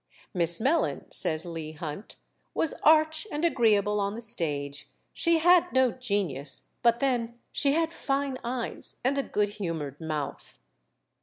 "Miss Mellon," says Leigh Hunt, "was arch and agreeable on the stage; she had no genius; but then she had fine eyes and a good humoured mouth."